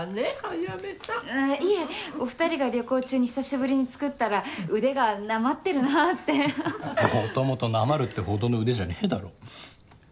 早梅さんいえお二人が旅行中に久しぶりに作ったら腕がなまってるなって元々なまるってほどの腕じゃねえだろ